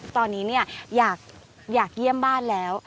ตอนนี้เนี่ยอยากอยากเยี่ยมบ้านแล้ว